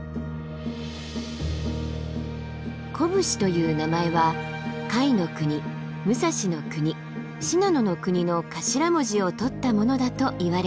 コブシという名前は甲斐国武蔵国信濃国の頭文字を取ったものだといわれています。